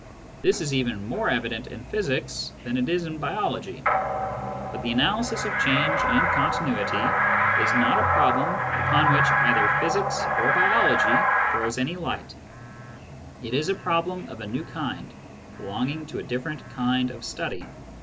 This is even more evident in physics than it is in biology. But the analysis of change and continuity is not a problem upon which either physics or biology throws any light : it is a problem of a new kind, belonging to a different kind of study.